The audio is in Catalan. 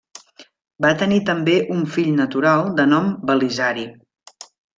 Va tenir també un fill natural de nom Belisari.